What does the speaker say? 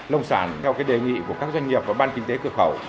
nông sản theo đề nghị của các doanh nghiệp và ban kinh tế cửa khẩu